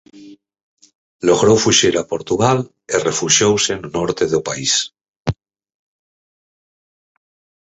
Logrou fuxir a Portugal e refuxiouse no norte do país.